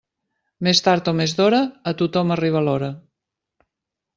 Més tard o més d'hora, a tothom arriba l'hora.